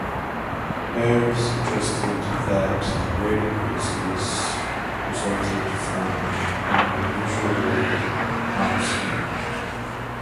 Baird suggested that the rate increases resulted from an unusually hot summer.